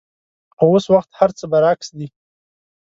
خو اوس وخت هرڅه برعکس دي.